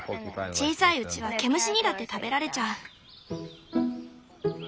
小さいうちは毛虫にだって食べられちゃう。